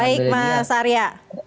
baik mas arya